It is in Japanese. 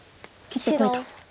「切ってこい」と。